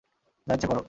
যা ইচ্ছে করো!